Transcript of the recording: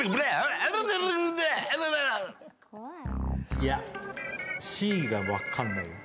いや、Ｃが分かんない。